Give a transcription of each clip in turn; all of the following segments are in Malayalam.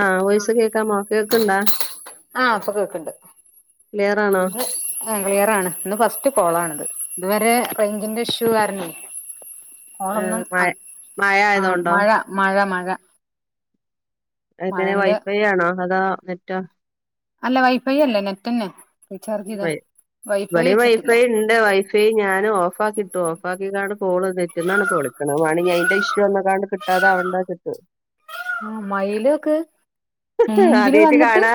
ആഹ് വോയിസ് കേക്കാമോ കേക്ക്ണ്ടാ ആ ആഹ് പ്പൊ കേക്കണ്ട് ക്ലിയറാണോ ആഹ് ക്ലിയർ ആണ് ഇന്ന് ഫസ്റ്റ് കോളാണിത് ഇതുവരെ റേഞ്ചിന്റെ ഇഷ്യൂ കാരണം കോള് ആഹ് ഒന്നും മഴ മഴ ആഹ് ആയതോണ്ടോ മഴ മഴ മഴ എങ്ങനെ മഴന്റെ വൈഫൈ ആണോ അതാ നെറ്റാ അല്ല വൈഫൈ അല്ല നെറ്റ് ന്നെ റീചാർജ് ചെയ്ത വൈഫൈ വെച്ചിട്ടില്ല എന്റെ വൈഫൈ ഞാന് ഓഫ ആക്കിയിട്ടു ഓഫ് ആക്കി കാണും കോള് നെറ്റ്‌ന്നാണ് പ്പോ വിളിക്കിണത് മാണി ഇനി അയിന്റെ ഇഷ്യൂ വന്നക്കാണ്ട് കിട്ടാതെ അവണ്ട വെച്ച് ആഹ് മയിലോക്ക് മുമ്പില് ആദ്യായിട്ട് വന്നിട്ട് കാണാ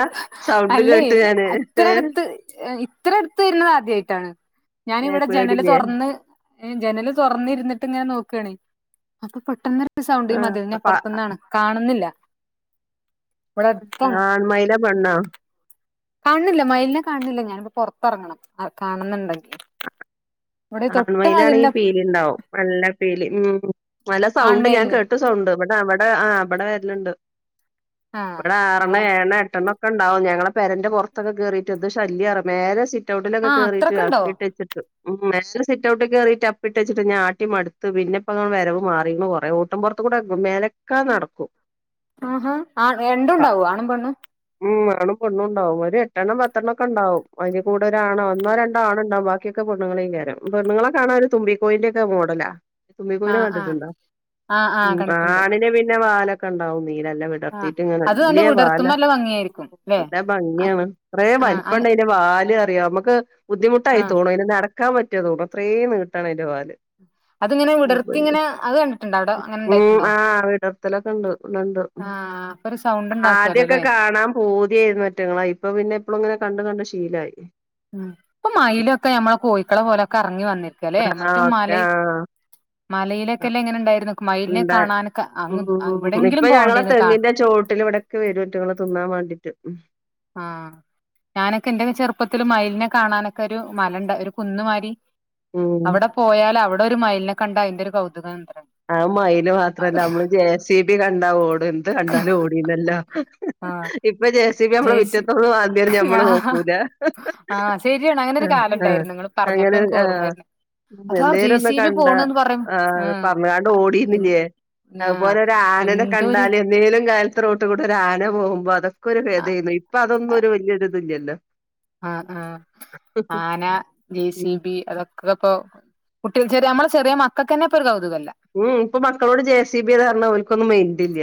സൗണ്ട് അല്ലേ കേട്ട് ഞാന് അത്ര അടുത്ത് എ ഇ ഇത്ര എടുത്ത് വരുന്നത് ആദ്യായിട്ടാണ് ഞാന് ഏഹ് ഇവിടെ ജനല് പേടില്ലേ തൊറന്ന് എ ജനല് തൊറന്ന് ഇരുന്നിട്ട് ഇങ്ങനെ നോക്കേണേ അപ്പ പെട്ടെന്ന് ഒരു ഒരു സൗണ്ട് ആഹ് മതിലിന്റെ അപ്പ അപ്പറത്തന്ന് ആണ് കാണുന്നില്ല ഇവിടെ അടുത്താണ് ആൺ മയില പെണ്ണാ കാണുന്നില്ല മയിലിനെ കാണുന്നില്ല ഞാൻ ഇനി ഇപ്പ പൊറത്ത് ഇറങ്ങണം കാണം എന്ന് ഒണ്ടെങ്കിൽ ഇവിടെ തൊട്ട് മതിലിന്റെ ഇണ്ടാവും നല്ല പീലി ഉ നല്ല സൗണ്ട് ഞാൻ കേ ആൺമയിലിന് ട്ട് സൗണ്ട് ഇവിടെ അവിടെ ആഹ് ഇവിടെ വെരലുണ്ട് ആഹ് ഇവിടെ ആറെണ്ണം നിങ്ങളെ ഏഴെണ്ണം എട്ടെണ്ണം ക്കെണ്ടാവും ഞങ്ങളെ പേരേന്റെ പൊറത്ത് ഒക്കെ കേറിയിട്ട് എന്ത് ശല്യാറിയോ മേലേ സി സിറ്റൗട്ടിൽ ഒക്കെ ആഹ് കേറിയിട്ട് അത്രക്കുണ്ടോ അപ്പിട്ട് വെച്ചിട്ട് ഉം സിറ്റൗട്ടിൽ കേറിയിട്ട് അപ്പിയിട്ട് വെച്ചിട്ട് ഞാൻ ആട്ടി മടുത്ത് പിന്നെ ഇപ്പ വെരവ് മാറിക്കണു കൊറേ ഓട്ടം പൊറത്ത് കൂടെ മേല് കാ നടക്കും ആഹാ ആഹ് രണ്ടും ണ്ടാവോ ആണും പെണ്ണും ഉം ആണും പെണ്ണും ഒണ്ടാവും ഒരു എട്ടെണ്ണം പത്തെണ്ണം ഒക്കെ ഒണ്ടാവും അയിലി കുടുതൽ ആണാ ഒന്നോ രണ്ടോ ആണ് ഒണ്ടാവും ബാക്കി ക്കെ പെണ്ണുങ്ങൾ എക്കാരം പെണ്ണുങ്ങളെ കാണാന് ഒരു തുമ്പിക്കോയിന്റെ ഒക്കെ മോഡലാ തുമ്പികോയിനെ ആഹ് ആഹ് കണ്ടിണ്ടോ ആഹ് ആഹ് ഉം കണ്ടിട്ടുണ്ട് ആണിന് പിന്നെ വാല് ഒക്കെ ഒണ്ടാവും നീല നല്ല വെ ആഹ് ടർത്തിട്ട് ഇങ്ങനെ അത് നല്ല വെല്യ വിടർത്തുമ്പോ വാലാ നല്ല ഭംഗിയായിരിക്കും ല്ലേ നല്ല ഭംഗി ആണ് കൊറേ ആഹ് വലുപ്പം അങ്ങ് ണ്ട് അയി അതിന്റെ വാല് അറിയാം നമുക്ക് ബുദ്ധിമുട്ടായി ആഹ് തോണു അയിന് നടക്കാൻ പറ്റിവോ തോണു അത്രയും നീട്ടാണ് അയിന്റെ വാല് അതിങ്ങനെ വിടർത്തി ഇങ്ങനെ അത് കണ്ടിട്ടുണ്ടോ അവിടെ അങ്ങനെ ഉം ഉണ്ടായിട്ടുണ്ടോ ആഹ് വിടർത്തില് ഒക്കെ ഒണ്ട് ണ്ടണ്ട് ആഹ് അപ്പൊ ഒരു സൗണ്ട് ഉണ്ടാക്കുവല്ലോ ആദ്യാക്കെ ല്ലേ കാണാം പൂതിയരുന്നു അവറ്റകളെ ഇപ്പൊ പിന്നെ എപ്പളും ഇങ്ങനെ കണ്ട് കണ്ട് ശീലായി ഉം ഇപ്പൊ മയില് ഒക്കെ ഞമ്മള കോയികളെ പോലെ ഒക്കെ കറങ്ങി വന്നിരിക്കല്ലേ ആഹ് മറ്റെ ഒക്കെ മല ആഹ് മലയിലക്കെ അല്ലേ ഇങ്ങനെ ണ്ടായിരുന്നു നോക്കൂ മയിലിനെ ഇണ്ട് കാണാന് ഒക്കെ അങ്ങ് എവിടെ ഉം എങ്കിലും പോവണ്ടിന്ന് കാ ക്ക് വരും അയ്ട്ടങ്ങൾ തിന്നാൻ വേണ്ടിട്ട് ഉം ആഹ് ഞാന് ഒക്കെ എന്റെ ഒക്കെ ചെറുപ്പത്തില് മയിലിനെ കാണാന് ഒക്കെ ഒരു മലേണ്ട് ഒരു കുന്നുമാരി ഉം അവടെ പോയാല് അവിടെ ഒരു മയിലിനെ കണ്ട അയിന്റെ ഒരു കൗതുക ആണ് അത്ര ആ മയില് മാത്ര അല്ല അമ്മള് ജെ സി ബി കണ്ടാ ഓടും എന്ത് കണ്ടാലും ഓടില്ലല്ലോ ആ ഇപ്പ ജെ സിബി അമ്മള ജേഴ്സി മിറ്റത്ത് വന്ന് മാന്തി ആയാലും ഞമ്മള് നോക്കൂല ആഹ് ശരിയാണ് അങ്ങനെ ഒരു ആഹ് കാലം ആഹ് ഒണ്ടായിരുന്നു നിങ്ങള് അങ്ങനെ പറഞ്ഞപ്പം എനിക്ക് ആഹ് ഓർമവരിന്ന് അതാ ജെ സി ബി പോണന്ന് പറയും ആഹ് പറഞ്ങ്ങാണ്ട് ഓടിന്നില്ലേ അതുപോലെ ഒരു ആനനെ എന്തോ ഒരു കണ്ടാല് എന്നേലും കാലത്ത് റോഡ് കൂടെ ഒര് ആന പോകുമ്പോ അത് ഒക്കെ ഒരു വേദ എയിരുന്നു ഇപ്പ അത് ഒന്നും ഒരു വെല്യ ഒരു ഇത് ഇല്ല അല്ലോ ആഹ് ആഹ് ആന, ജെ ഉം സി ബി, അതൊ ക്ക് ഇപ്പൊ കുട്ടികൾ ചെറിയ നമ്മള് ചെറിയ മക്കക്ക് അന്നെ ഇപ്പൊ ഒരു കൗതുകം ഇല്ല ഉം ഇപ്പൊ മക്കളോട് ജെ സി ബി എന്ന് പറഞ്ഞാ ഓൽക്ക് ഒന്നും മൈൻഡ് ഇല്ല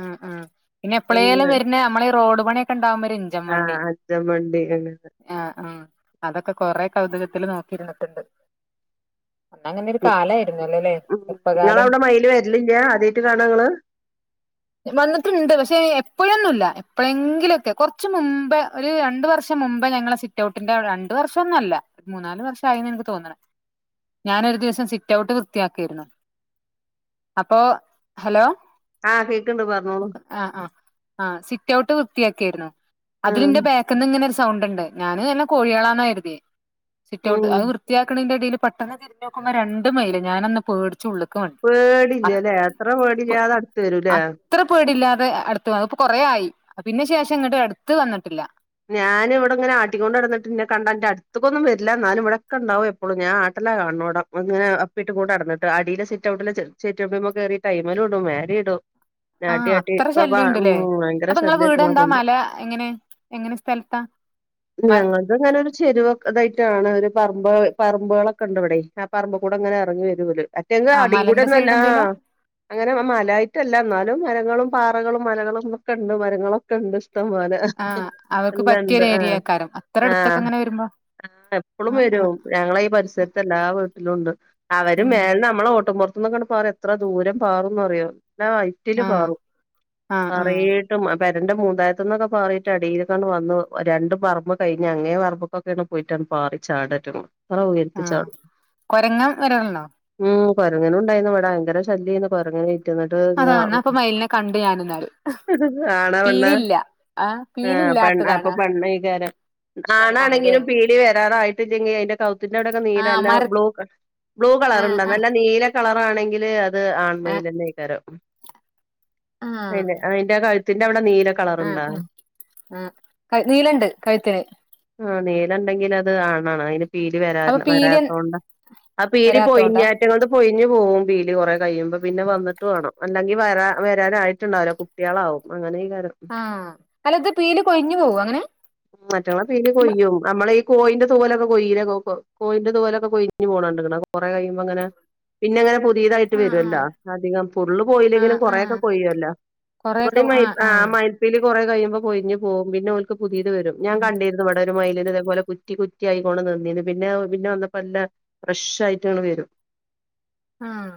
ആഹ് ആഹ് പിന്നെ എപ്പളേലും വെരുന്ന അമ്മളേ ഈ റോഡ് പണി ഒക്കെ എണ്ടാവുമ്പ ഒരു ഇഞ്ചൻ ആഹ് വണ്ടി അഞ്ചൻ വണ്ടി അങ്ങനെ ആഹ് ആഹ് അത് ഒക്കെ കൊറെ കൗതുകത്തില് നോക്കി ഇരുന്നിട്ട്ണ്ട് അന്നങ്ങനെ ഒരു ഉം കാലായിരുന്നു അല്ലേല്ലേ ചെറുപ്പകാലം തില്ലില്ല്യ ആദ്യായിട്ട് കാണാ ഇങ്ങള് വന്നിട്ട്ണ്ട് പക്ഷേ എപ്പഴ്ന്നില്ല എപ്പഴെങ്കിലൊക്കെ കൊറച്ച് മുമ്പേ ഒരു രണ്ടു വർഷം മുമ്പേ ഞങ്ങടെ സിറ്റ്ഔട്ടിൻ്റെ അവിടെ രണ്ട് വർഷൊന്നു അല്ല മൂന്നാല് വർഷായിന്ന് എനിക്ക് തോന്നണ് ഞാനൊരു ദിവസം സിറ്റ് ഔട്ട് വൃത്തിയാക്കായിരുന്നു അപ്പോ ഹലോ ആഹ് കേക്ക്ണ്ട് പറഞ്ഞോളൂ ആഹ് ആഹ് ആഹ് സിറ്റ് ഔട്ട് വൃത്തിയാക്കായിരുന്നു ആഹ് അതിലിൻ്റെ ബാ ക്ക്ന്ന് ഇങ്ങനെ ഒരു സൗണ്ട് ഇണ്ട് ഞാൻ വല്ല കോഴികളാന്ന കരുത്യേ സിറ്റഔട്ട് ഉം അത് വൃ ത്തിയാക്കേണേൻ്റെ എടേല് പെട്ടെന്ന് തിരിഞ്ഞോക്കുമ്പോ രണ്ട് മയില് ഞാനന്ന് പേടിച്ച് ഉള്ളിക്ക്ണി പേടി ഇല്ലാല്ലേ അത്ര പേടില്ലാതെ അടുത്ത് വരൂല്ലേ ഇത്ര പേടില്ലാതെ അടുത്ത് വന്നു ഇപ്പൊ കൊറേ ആയി പിന്നെ ശേഷം ഇങ്ങോട്ട് അടുത്ത് വന്നിട്ടില്ല ഞാന് ഇവിടെ ഇങ്ങനെ ആട്ടിക്കൊണ്ടടന്നിട്ട്ന്നെ കണ്ട ഇന്റെ അടുത്ത്ക്കൊന്നും വരില്ല എന്നാലും ഇവിടെക്കെണ്ടാവും എപ്പളും ഞാൻ ആട്ടലാ കാണോടം വന്നിങ്ങനെ അപ്പിട്ട് കൂടെ നടന്നിട്ട് അടിലെ സിറ്റ് ഔട്ടില് ചെചെറ്റുപടിമെ കേറിട്ട് അയ്മലും ഇടും മേലെ ഇടും നെ ആഹ് ആട്ടി ആട്ടി അത്ര ഇപ്പൊ ഭ ഉം ശല്യണ്ട്ല്ലേ ഭയങ്കര അപ്പൊ ഇങ്ങളെ ശല്യ അവറ്റങ്ങളെ വീടെന്താ കൊണ്ട് മല എങ്ങനെ എങ്ങനെ സ്ഥലത്താ മ ഞങ്ങൾ ഇതിങ്ങനെ ഒരു ചെരുവൊ ഇതായിട്ടാണ് ഒരു പറമ്പ് പറമ്പുകളൊക്കെണ്ട് ഇവടെ ആ പറമ്പ് കൂടെ ഇങ്ങനെ എറങ്ങി വരും ഇവല് മറ്റേങ്ക ആഹ് അടി കൂടെ മലന്റെ സൈഡ് ഒന്നല്ലാ എന്തേലും ആഹ് അങ്ങനെ മ മലായിട്ടല്ല എന്നാലും മരങ്ങളും, പാറകളും, മലകളും, ഒക്കെ ഇണ്ട് മരങ്ങളൊക്കെ ഉണ്ട് ഇഷ്‌ടംപോലെ ആഹ് അവർക്ക് എല്ലാണ്ട് പറ്റിയൊരു ആഹ് ഏരിയേക്കാരം അത്ര അടുത്തൊക്കെ ആഹ് ഇങ്ങനെ വരുമ്പോ ആഹ് എപ്പളും ആഹ് വരും ആഹ് ഞങ്ങളെ ഈ പരിസരത്ത് എല്ലാ വീട്ടിലും ഉണ്ട് അവരും ഉം മേല നമ്മളെ ഓട്ടും പൊറ ത്ത്ന്നൊക്കെണ്ട് പാറ എത്ര ദൂരം പാറുംന്ന് അറിയോ നല്ല ഹൈറ്റില് ആഹ് പാറും ആഹ് ആഹ് നറേയെ ട്ടും ആ പെരേന്റെ മൂന്തായത്ത്ന്നൊക്കെ പാറിട്ട് എടേല് ക്കണ്ട് വന്നു രണ്ട് പറമ്പ് കഴിഞ്ഞ അങ്ങേ പറമ്പക്കൊക്കെണ് പോയിട്ടാണ് അങ്ങ് പാറി ചാട അവറ്റങ്ങള് അത്ര ആഹ് ഉയരത്തിച്ചാടും കൊരങ്ങൻ വരലുണ്ടോ ഉം കൊരങ്ങനും ഉണ്ടായിരുന്ന് ഇവടെ ഭയങ്കര ശല്യംന്ന് കൊരങ്ങനെ റ്റ് എന്നിട്ട് ഇങ്ങ അതാ ന്നാ അപ്പൊ മയിലിനെ കണ്ട് ഞാനെന്നാല് ആ ആണാപെണ്ണാ പീലില്ല ആഹ് പെൺ അപ്പൊ പെണ്ണ് ആയികാരം പെണ്ണാണ്ല്ലേ ആണാണെങ്കിലും പീലി വരാറായിട്ട് ഇല്ലെങ്കി അയിൻ്റെ കവു ത്തിന്റെ അവടൊക്കെ നീല ആഹ് നല്ല മര ബ്ലൂ ബ്ലൂ കളർ ആഹ് ഇണ്ട്ന്ന് ആഹ് നല്ല നീല കളറാണെങ്കിൽ അത് ആൺ ആഹ് മയിലന്നെ കാരം ഉം ആഹ് പിന്നെ അയിൻ്റെ കഴുത്തിൻ്റെ അവടെ നീല ആഹ് കളറുണ്ടാ ആഹ് ആഹ് കരിനീലണ്ട് കഴുത്തില് ആഹ് നീല ഇണ്ടെങ്കിൽ അത് ആണാണ് അയിന് പീലി വരാ അപ്പൊ പീലി വരാത്തൊണ്ട ആ പീലി വരാത്തോണ്ടാ പൊഴിഞ്ഞാൽ ഇത് അങ്ങോട്ട് പൊയിഞ്ഞു പോവും പീലി കൊറെ കഴിയുമ്പോ പിന്നെ വന്നിട്ട് വേണം അല്ലെങ്കിൽ വരാ വരാനായിട്ടുണ്ടാവില്ല കു ട്ടികളാവും അങ്ങനെ ഈ കാ [unintelligible] ര്യ ആഹ് അല്ല ഇത് പീലി കൊഴിഞ്ഞു പോവും അങ്ങനെ- മറ്റോളെ പീലി കൊയ്യും നമ്മള് ഈ കോയിന്റെ തൊലൊക്കെ കൊഴിയുന്ന നോക്ക് കോയിന്റെ തോലൊക്കെ കൊയിഞ്ഞ് പോണ കണ്ട്ക്കണ് കൊറെ കഴിയുമ്പോ അങ്ങനെ- പിന്നെ അങ്ങനെ പുതിയതായിട്ട് ആഹ് വരുല്ലോ ആഹ് അധികം ഫുള്ള് ആഹ് പോയില്ലെങ്കിലും ആഹ് കൊറെക്കെ കൊഴിയല്ലോ ഇവടേം മയിൽ ആഹ് ആ മയിൽപീലി കൊറെ കഴിയുമ്പോ പൊയിഞ് പോവും പിന്നെ ഓൽക്ക് പുതിയത് വരും ഞാൻ കണ്ടിരു ഇവടൊരു മയിലിന് ഇതേപോലെ കുറ്റി കുറ്റി ആയി കൊറേ നിന്നേന് പിന്നെ പിന്നെ വന്നപ്പോ എല്ല ഫ്രഷ് ആയിട്ട് അങ്ങട് വരും ആഹ്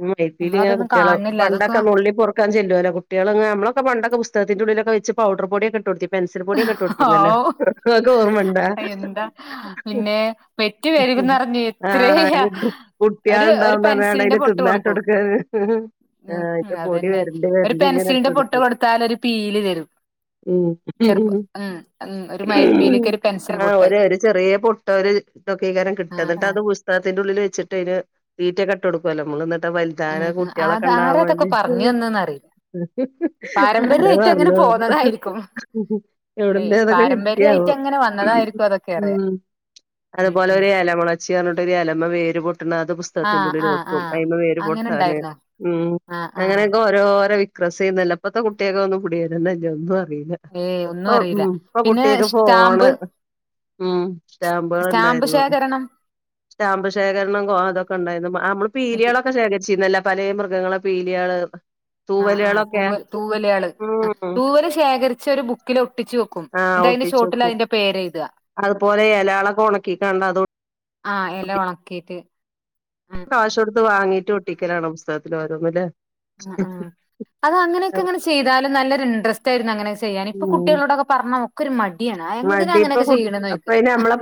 ഉം മയിൽപീലി ഇങ്ങനെ നമ്മളതൊന്നും കുട്ടികളെ കാൺണില്ല അതൊക്കെ പണ്ടൊക്കെ നുള്ളി പെറു ക്കാൻ ചെല്ലുവല്ലോ കുട്ടികള് അങ്ങ് നമ്മളൊക്കെ പണ്ടൊക്കെ പുസ്തകത്തിന്റെ ഉള്ളിലൊക്കെ വെച്ച് പൗഡറ് പൊടിക്കെ ഇടുകൊടുത്തി പെൻ പച്ചരി പൊടിയൊക്കെ ഇട്ട് കൊടുത്തിരുന്നല്ലോ ആവൂ അതും ഓർമ്മയുണ്ടാ എന്താ പിന്നെ പെറ്റ് പെരുകുന്നറിഞ്ഞ് എത്രയാ ആഹ് കുട്ട്യാൾ ഒരു ഒരു ഇണ്ടാവുന്ന് പറഞ്ഞാങ്ങാണ്ട് അതിന് തിന്നാൻ ഇട്ടു കൊടുക്കാണ് ഉം ഹും [unintelligible] ആഹ് അതന്നെ ഒരു ഇട്ട് പെൻസിലിന്റെ പൊട്ട് കൊടുക്കും കൊടുത്താല് ഒരു പീലി തരും ചെറുപ്പ ഉം ഉം ഉം ഒരു മയിൽപ്പീലിക്ക് ഒരു പെൻസിൽ ആ പൊട്ട് ഒരു ഒര് ചെറിയ പൊട്ടൊ ഒര്- നീകാരം [unintelligible] കട്ട ആഹ് എന്നിട്ട് ആഹ് അത് പുസ്തകത്തിന്റെ ഉള്ളിൽ വെച്ചിട്ട് അതിന് തീറ്റയൊക്കെ ഇട്ടു കൊടുക്കല്ലോ നമ്മള് എന്നിട്ട് വ- ധാ [unintelligible] ന ഉം ഉം കുട്ടികളൊക്കെ അത് ഉണ്ടാവാൻ ആരാതൊക്കെ വേണ്ടിട്ട് പറഞ്ഞു തന്നന്നറിയില്ല ആരാ പാരമ്പര്യായിട്ട് അങ്ങനെ പറഞ്ഞത് പോന്നതായിരിക്കും അല്ലെ എവിടുന്നാ അതൊക്കെ കിട്ടയത് ആവോ പാരമ്പര്യായിട്ട് അങ്ങനെ വന്നതായിരിക്കും അതൊക്കെ അറിയ ഉം അതുപോലെ ഉം ഒരു എലമുളച്ചി പറഞ്ഞിട്ട് ഒരു എലമ്മെ വേര് പൊട്ടുണ അതും പുസ്- പുസ്കത്തിൻ്റെ ആഹ് ഉള്ളില് ആഹ് വെക്കും ആഹ് അതിമേ വേര് അങ്ങനെ പൊട്ടാൻന് ഉണ്ടായിരുന്നോ ഉം ആഹ് ആഹ് അങ്ങനൊക്കെ വെ - ഓരോരവി. [unintelligible] ക്രസ് എയ്നി നില. ഇപ്പഴത്തെ കുട്ടികൾക്ക് അത് ഒന്നും പിടി കിട്ടുന്നില്ല എന്തുവാന്ന് അറിയില്ല ഏയ് ഒന്നും ഓ അറിയില്ല ഇപ്പൊ പിന്നെ കുട്ടികൾക്ക് ഫോണ് സ്റ്റാമ്പ് ഉം സ്റ്റാമ്പുകൾ സ്റ്റാമ്പ് ഇണ്ടായിരുന്നു ശേഖരണം സ്റ്റാമ്പ് ശേഖരണം കോ അതൊക്കെ ഉണ്ടായിരുന്നു നമ്മള് പി പീലികളൊക്കെ ശേഖരിച്ചിരുന്നല്ലോ പലെ മൃഗങ്ങളെ പീലികള് ആഹ് ആഹ് തൂവലുകളൊക്കെ തൂവ തൂവലകള് ഉം തൂവല് ശേഖരിച്ച് ഒരു ബുക്കില് ഒട്ടിച്ചു വെക്കും ആഹ് എന്നിട്ട് അതിന്റെ ഒട്ടിച്ചു ചോട്ടില് വെക്കും അതിന്റെ പേരെഴുതുക അതുപോലെ എലകളൊക്കെ ഒണക്കിക്കണ്ട അതും- ആഹ് എല ഒണക്കീട്ട്- ഉം കാശ് ഉം കൊടുത്ത് വാങ്ങീട്ട് ഒട്ടിക്കലാണ് പുസ്തകത്തിൽ ഓരോന്നില് ആഹ് ആഹ് അത് അങ്ങനെയൊക്കെ അങ്ങനെ ചെയ്താലും നല്ലൊരു ഇൻട്രസ്റ്റ് ആയിരുന്നു അങ്ങനെയൊക്കെ ചെയ്യാന് ഇപ്പൊ ഉം കുട്ടികളോടൊക്കെ- പറഞ്ഞാ ഒക്കെ ഒരു മടിയാണ് എന്തിനാ അങ്ങനെയൊക്കെ ചെയിണെന്ന് ചോദിക്കും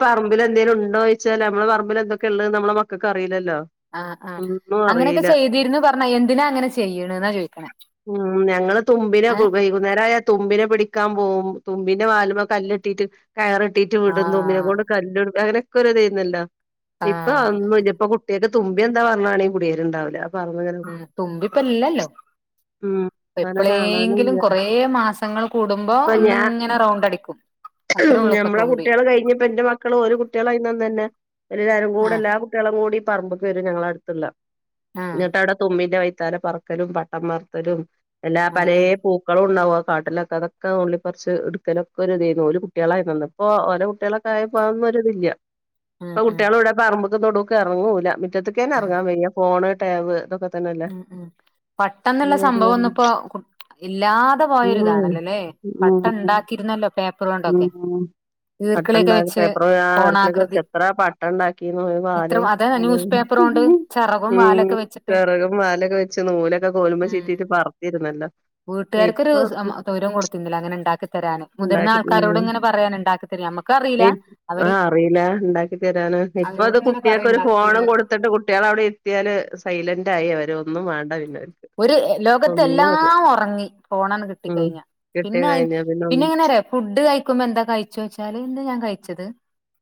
പറമ്പില് എന്തേലും ഉണ്ടോ ചോദിച്ചാല് നമ്മളെ പറമ്പിൽ എന്തൊക്കെ ഉള്ളെന്ന് നമ്മടെ മക്കൾക്കറിയില്ലല്ലോ ആഹ് ആഹ് അങ്ങനെയൊക്കെ ചെയ്തിരുന്നു പറഞ്ഞ എന്തിനാ അങ്ങനെ ചെയ്യിണെന്നാ ചോദിക്കണേ ഉം ഞങ്ങള് തുമ്പിനെ ഒക്കെ ഏഹ് ഉപ - വൈകുന്നേരം ആയാൽ തുമ്പിനെ പിടിക്കാൻ പോകും തുമ്പിന്റെ വാലുമേ കല്ല് കെട്ടിട്ട്- കയറ് കേട്ടിട്ട് വിടുന്നു ഇതിനെ ആഹ് കൊണ്ട് കല്ല് എടു അങ്ങനെയൊക്കെ ഒരു ഇത് ആയിരുന്നല്ലോ ഇപ്പൊ ആഹ് അതൊന്നും ഇല്ല ഇപ്പൊ കു- കുട്ടികൾക്ക് തുമ്പി എന്താ പറഞ്ഞാൽകൂടി കുടേ [unintelligible] രുണ്ടാവില്ല ഉം തുമ്പി ഇപ്പ ഇല്ലല്ലോ ഉം അങ്ങനെ എപ്പളെങ്കിലും കാണാനുംല്ല കൊറേ മാസങ്ങൾ കൂടുമ്പോ ഇപ്പൊ ഞാൻ ഒന്നിങ്ങനെ റൗണ്ട് അടിക്കും അത്രേ ഉള്ളൂ ഇപ്പൊ ഞമ്മളെ തുമ്പി കുട്ടികൾ കഴിഞ്ഞപ്പ എന്റെ മക്കളും ഒരു കുട്ടികള അയി തന്നെ എല്ലാരും കൂടെ ആഹ് എല്ലാ കുട്ടിയാളും കൂടി പറമ്പ്ക്ക്‌ വരും ഞങ്ങളുടെ അടുത്ത്ള്ള ആഹ് ന്നിട്ട് അവിടെ തുമ്പിന്റെ വ പറക്കലും പട്ടം പർത്തലും എല്ലാ ആഹ് പലേ ആഹ് പൂക്കളും ണ്ടാവും കാട്ടിലൊക്കെ അതൊക്കെ നുള്ളി പറിച്ച് ഇട്ക്കലൊക്കൊര് തേയ്ന്നു കുട്ടിയാളായിന്നന്ന് ഇപ്പോ ഓരോ കുട്ടിയാളൊക്കെ ആയപ്പോ അതൊന്നും ഒര്ത് ല്ല ഉം ഇപ്പൊ ഉം കുട്ടിയാളിവിടെ പറമ്പ് ഇപ്പൊ തൊടുക് എറങ്ങൂല മിറ്റത്ത്ക്കന്നെ ഉം എറങ്ങാൻവയ്യ ഫോണ് ടാബ് ഇതൊക്കെ ഉം ഉം പെട്ടെന്ന്ള്ള തന്നെല്ലേ സംഭവം ഒന്നുപ്പോ ഇല്ലാതെ ഉം പോയൊരുതാണല്ലോല്ലേ പട്ടം ഇണ്ടാക്കിരുന്നല്ലോ പേപ്പറ് കൊണ്ട് ആ ആഹ് പട്ട ഇണ്ടാ പേപ്പറ് ആ ഈർക്കിളിയൊക്കെ വെച്ച് കോണാകൃതി എത്ര പട്ടം ഇണ്ടാക്കിയിന്നു ഒരു എത്ര വാലും അതെ ന്യൂസ് പേപ്പർ കൊണ്ട് ചിറകും ഉം വാലൊക്കെ വെച്ചിട്ട് വിറകും വാലൊക്കെ വെച്ച് നൂലൊക്കെ കോല്മെ ഉം ചീറ്റീട്ട് പറത്തിരുന്നല്ലോ വീട്ടുകാർക്കൊരു ഇപ്പൊ തൗരോം കൊടുത്തിന്നില്ല അങ്ങനെ ഇണ്ടാക്കിത്തരാന് ഇണ്ടാക്കി ഉം നമ്മക്ക് അറിയില്ല ആ അവര് അറീല ഇണ്ടാക്കി തരാന്ന് ഇപ്പൊ അവരോട് ഇത് ഇങ്ങനെ പറയും കുട്ടിയാക്കൊര് ഉണ്ടാക്കി ഫോണും തരോ കൊടു പട്ട കുട്ടിയാളെ അവിടെ ഇരുത്തിയാല് സൈലന്റ് ആയി അവര് ഒന്നും വേണ്ട പിന്നെ അവ ഒരു ലോകത്ത് എല്ലാം ഒറങ്ങി പോണാണ്ട് കിട്ടി ഉം കഴിഞ്ഞ കിട്ടിയ പിന്നെ അയി കഴിഞ്ഞ പിന്നെ എങ്ങനെന്നറി ഫുഡ് കഴിക്കുമ്പോ എന്താ കഴിച്ചു വെച്ചാല് എന്താ ഞാൻ കഴിച്ചത്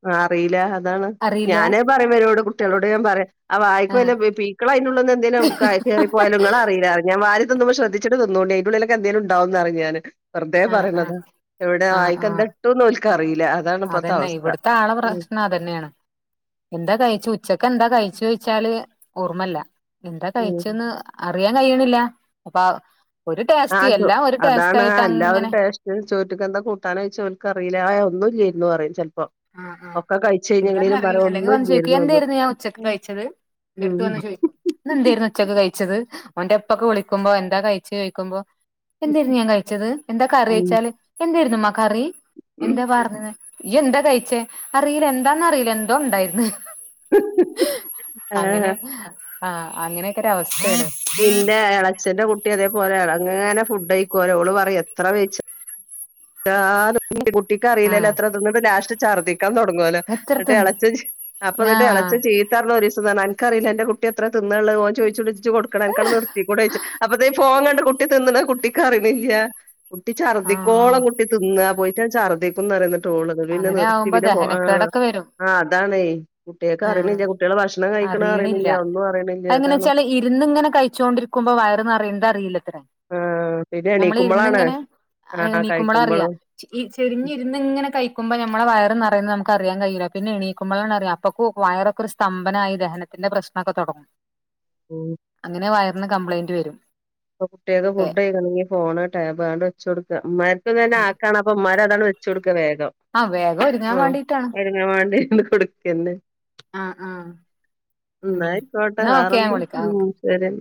ആ അറീല്ല അതാണ് അറിയില്ല ഞാനത് പറയുവരോട് കുട്ടിയാളോട് ഞാൻ പറയും അവായിക്ക ആഹ് വല്ല ക്കള്യിന്റെ ഉള്ള്ന്നെന്തേലും കേറി പോയാലും ങ്ങള അറീല്ല റിം ഞാൻ വാരി തിന്ന്മ്പോ ശ്രദ്ധിച്ചിട്ട് തിന്നോണ്ടിം അയിന്റെ ള്ളിലൊകെ എന്തേലും ഉണ്ടാവുംന്നറിം ഞാന് വെറ്തെ ആഹ് ആഹ് പറീണതാ എവിടെ ആഹ് ആഹ് വായിക്കെന്താ ഇട്ടൂന്ന് ഒല്ക്ക്‌ അറീല അതാണ് ഇപ്പത്തെ അതന്നെ അവസ്ഥ [unintelligible] ഉം പ്രശ്നം അതന്നെണ് എന്താ കഴിച്ചു ഉച്ചകെന്താ കഴിച്ചോയ്ച്ചാല് ഓർമ്മല്ല എന്താ ഉം കഴിച്ചന്ന് അറിയാൻ കഴിയണില്ല അപ്പ ഒരു ടേസ്റ്റ് എല്ലാം ഒരു ടേസ്റ്റ് ആയിട്ട് അങ്ങനെ ചോറ്റ് കെന്താ കൂട്ടാന് ഓഴ്ച്ചാ ഓല്ൽക്കറീല ഏ ഒന്നുല്ലെര്ന്നുഅറിം ചെലപ്പോ ആഹ് ആഹ് ഒക്കെ കഴിച്ച് എന്താന്ന് കഴിഞ്ഞ അറിയില്ല പറിം അല്ലെങ്കിൽ ഒന്നുല്ലേര്ന്നുന്ന് എന്റെട്ത്ത് വന്ന് ചോയി ന്നെന്തായ്രുന്നു ഉച്ചക്ക് കഴിച്ചത് ഓന്റെ ഇപ്പൊക്കെ വിളിക്കുമ്പോ എന്താ കഴ്ച്ചു ചോയ്ക്കുമ്പോ എന്തേയിരുന്നു ഞാൻ കഴിച്ചത് എന്താ കറി ഉം ഓഴ്ച്ചാല് എന്തേയിരുന്നുമ്മ കറി എന്താ പാർന്നിന്നെ ഇയ്യെന്താ കഴിച്ചേ അറീല എന്താന്നറീല്ല എന്തോ ഉണ്ടായിര്ന്ന് ആഹ് അങ്ങനെ ആ അങ്ങനെയൊക്കെ ഒരു അവസ്ഥയാണ് ഇന്റെ എളച്ഛൻ്ന്റെ കുട്ടി അതേപോലെങ്ങനെ ഫുഡ്ഴ്ക്കോലോ ഓള് പറയും എത്ര വെയി ആഹ്കുട്ടിക്ക് അറിയില്ലല്ലോ ആഹ് എത്ര തിന്നിട്ടും ലാസ്റ്റ് ഛർദിക്കാൻ തുടങ്ങോല്ലോ എത്ര ന്നിട്ട് തിന്ന് എളച്ച അപ്പൊ ന്നിട്ട് ആഹ് എളച്ചൻ ചീത്തർഞ്ഞു ഒരീസം അനക്കറിലെ അന്റെ കുട്ടി എത്ര തിന്നാള്ളത് ഓൻ ചോയിച്ചു അണക്കണ്ട് നിർത്തി കൂടെ ഓഴ്ച്ച് അപ്പൊ ഫോൺ കണ്ട കുട്ടി തിന്നണ കുട്ടിക്ക് അറിണില്ല കുട്ടി ആഹ് ചർദ്ദിക്കോളം കുട്ടി തിന്ന പോയിട്ടൺൻ ചർദ്ദി റയുന്നിട്ടോള് പിന്നെ അങ്ങനെ നിർത്തി ആവുമ്പോ പിന്നെ ആഹ് ദഹനക്കേടൊക്കെ വരും ആഹ് അതാണയ് ആഹ് കുട്ടിയാള്ക്കറീണില്ല കുട്ടിയാള് ഭക്ഷണം കഴിക്ക്ണത് അറീണ്ല്ല ഒന്നും അറീണില്ല അതാണ് ഇര്ന്ന്ങ്ങനെ കഴിച്ചോണ്ടിരിക്കുമ്പോ വയറ് നെറീണത് അറില്ലത്രേ ആഹ് പിന്നെ നമ്മള് എണീക്കുമ്പളാണ് ഇര്ന്ന്ങ്ങനെ ആഹ് എണീ ക്കുമ്പോള കഴിക്കുമ്പളും അറിയാ ഈ ചെരിഞ്ഞിരുന്ന് ഇങ്ങനെ കഴി രിക്കുമ്പോ നമ്മള വയർ നറയുന്നത് നമുക്കറിയാൻ കഴിയില്ല പിന്നെ എണീക്കുമ്പോ ആണ് അറിയ അപ്പപ്പോ വയറക്കെ ഒരു സ്തംഭനായി ദഹന ഹനത്തിന്റെ പ്രശ്നക്കെ തൊടങ്ങും ഉം അങ്ങനെ വയറിന്ന് കംപ്ലയിന്റ് വരും ഇപ്പ കുട്ട്യാക്ക് ഫുഡയ്ക്കണെങ്കി ഫോണ്, ടാബ് ആണ്ട് വെച്ചൊട്ക്ക മ്മാര്ക്കും തെന്നെ ‌ആക്കാണ് അപ്പ മ്മാരതണ്ട് വെ ച്ചൊട്ക്ക വേഗം ആ വേഗം ഒരുങ്ങാൻ ആഹ് വേണ്ടിട്ടാണ് [unintelligible] വാണ്ടി അണ്ട് കൊടുക്കെന്നെ ആ ആ ന്നാ അയ്ക്കോട്ടെ എന്നാ ഓക്കെ ഞാൻ വേറെന്താ വിളിക്കാം ഓക്കെ ഉം ശെരി